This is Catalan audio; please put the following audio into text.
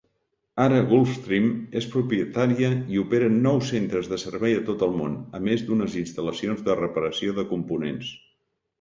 Ara Gulfstream és propietària i opera nou centres de servei a tot el món, a més d'unes instal·lacions de reparació de components.